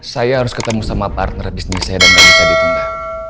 saya harus ketemu sama partner bisnis saya dan mereka ditunda